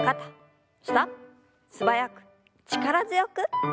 素早く力強く。